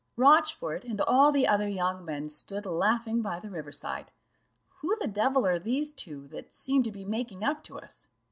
Rochfort, and all the other young men stood laughing by the river side. "Who the devil are these two that seem to be making up to us?"